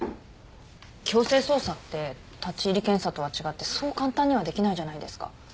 強制捜査って立入検査とは違ってそう簡単にはできないじゃないですか。